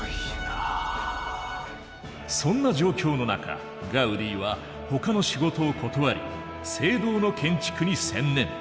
そんな状況の中ガウディはほかの仕事を断り聖堂の建築に専念。